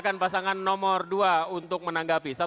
terima kasih waktunya habis